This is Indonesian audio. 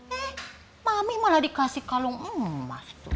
eh mami malah dikasih kalung emas